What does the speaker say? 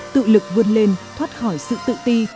tự lực vươn lên thoát khỏi sự tự ti